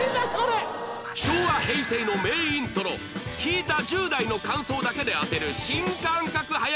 昭和平成の名イントロ聴いた１０代の感想だけで当てる新感覚早押し問題に